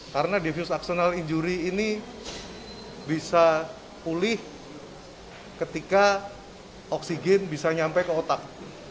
karena diffuse axonal injury ini bisa pulih ketika oksigen bisa nyampe ke otak